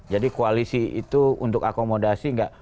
jadi koalisi itu untuk akomodasi nggak